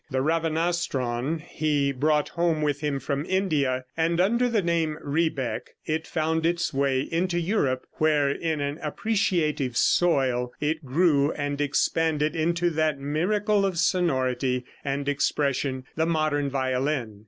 The ravanastron he brought home with him from India, and under the name Rebec it found its way into Europe, where in an appreciative soil it grew and expanded into that miracle of sonority and expression, the modern violin.